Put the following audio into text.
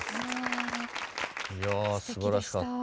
いやすばらしかった。